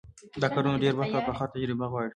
دا کارونه ډېر وخت او پخه تجربه غواړي.